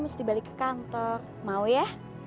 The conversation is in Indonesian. mesti balik ke kantor mau ya